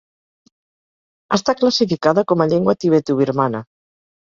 Està classificada com a llengua tibetobirmana.